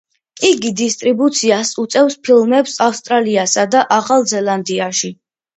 იგი დისტრიბუციას უწევს ფილმებს ავსტრალიასა და ახალ ზელანდიაში.